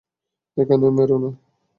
এখানে মেরো না।